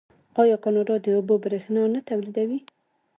آیا کاناډا د اوبو بریښنا نه تولیدوي؟